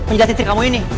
menjelaskan istri kamu ini